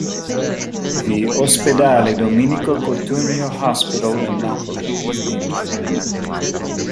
The "Ospedale Domenico Cotugno", hospital in Napoli is named for him.